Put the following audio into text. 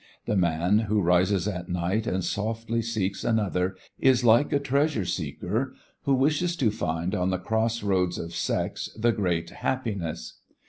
The man who rises at night and softly seeks another is like a treasure seeker who wishes to find on the cross roads of sex the great happiness.